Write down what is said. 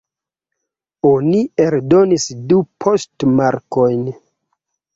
Oni eldonis du poŝtmarkojn.